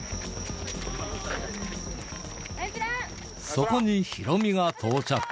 そこにヒロミが到着。